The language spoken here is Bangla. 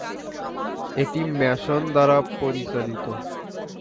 এটি ম্যাসন দ্বারা পরিচালিত।